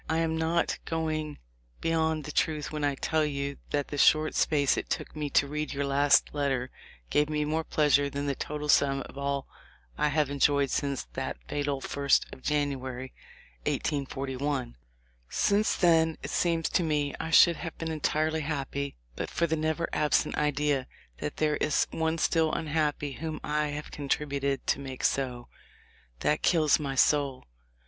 I am not going beyond the truth when I tell you that the short space it took me to read your last letter gave me more pleasure than the total sum of all I have enjoyed since that fatal THE LIFE OF LINCOLN. 223 first of January, 1841. Since then it seems to me I should have been entirely happy but for the never absent idea that there is one still unhappy whom I have contributed to make so. That kills my soul.